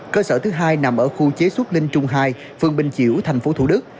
cơ sở thứ hai nằm ở khu chế xuất linh trung hai phường bình chiểu tp thủ đức